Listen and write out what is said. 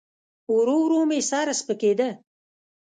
ورو ورو مې سر سپکېده.